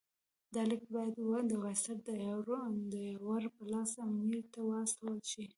دا لیک باید د وایسرا د یاور په لاس امیر ته واستول شي.